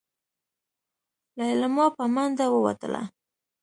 ليلما په منډه ووتله.